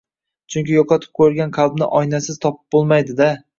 Chunki yo‘qotib qo‘yilgan qalbni oynasiz topib bo‘lmaydi-da.